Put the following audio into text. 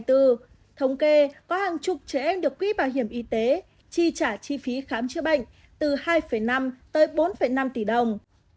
thống kê có hàng chục trẻ em được quỹ bảo hiểm y tế chi trả chi phí khám chữa bệnh từ hai năm tới bốn năm tỷ đồng